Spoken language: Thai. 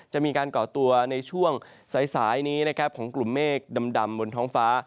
จะมีการก่อตัวในช่วงสายนี้นะครับของกลุ่มเมฆดำบนท้องฟ้า